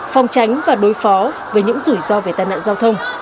phòng tránh và đối phó về những rủi ro về tàn nạn giao thông